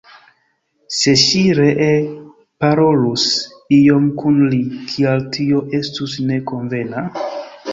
Se ŝi ree parolus iom kun li, kial tio estus ne konvena?